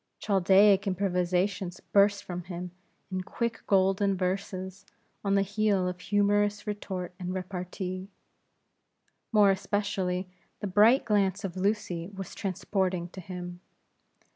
Chaldaic improvisations burst from him, in quick Golden Verses, on the heel of humorous retort and repartee. More especially, the bright glance of Lucy was transporting to him.